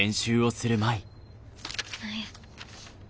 何や。